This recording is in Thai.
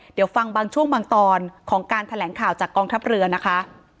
เดี๋ยวฟังบางช่วงบางตอนของการแถลงข่าวจากกองทัพเรือนะคะ